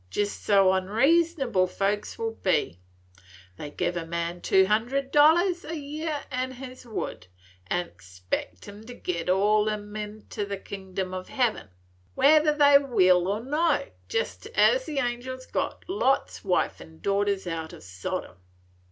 Jes' so onreasonable folks will be; they give a man two hunderd dollars a year an' his wood, an' spect him to git all on em' inter the kingdom o' heaven, whether they will or no, jest as the angels got Lot's wife and daughters out o' Sodom."